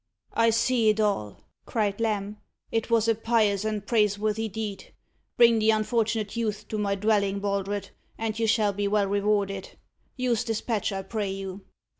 "I see it all," cried Lamb. "It was a pious and praiseworthy deed. Bring the unfortunate youth to my dwelling, Baldred, and you shall be well rewarded. Use despatch, I pray you."